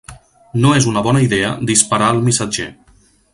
No és una bona idea disparar al missatger.